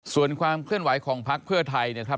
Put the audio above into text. ส่วนความเคลื่อนไหวของพักเพื่อไทยนะครับ